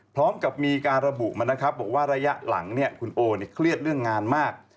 พร้อมกับมีการระบุมานะครับบอกว่าระยะหลังเนี่ยคุณโอเครียดเรื่องงานมาก